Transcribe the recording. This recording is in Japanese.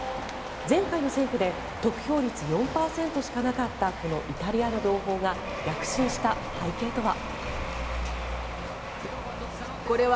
前回の選挙で得票率４％しかなかったこのイタリアの同胞が躍進した背景とは。